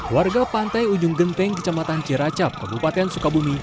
warga pantai ujung genteng kecamatan ciracap kabupaten sukabumi